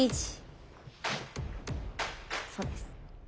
１そうです。